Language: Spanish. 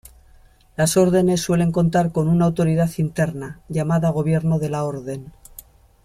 Las órdenes suelen contar con una autoridad interna, llamada "gobierno de la orden".